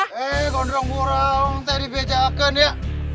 hei gondrong burong teh dibecekan ya